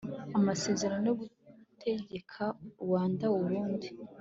amasezerano yo gutegeka ruanda-urundi